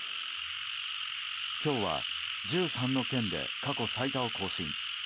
今日は１３の県で過去最多を更新。